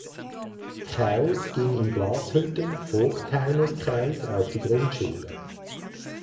Kaus ging in Glashütten (Hochtaunuskreis) auf die Grundschule.